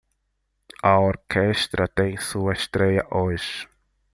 A orquestra tem sua estréia hoje.